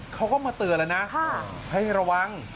เขาก็มาเตือนน้ำจะแต่ว่าระวัง